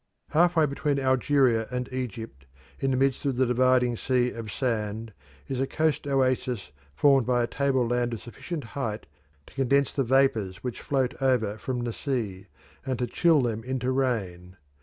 Half way between Algeria and Egypt, in the midst of the dividing sea of sand, is a coast oasis formed by a tableland of sufficient height to condense the vapours which float over from the sea, and to chill them into rain.